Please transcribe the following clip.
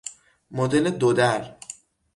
مدل دو در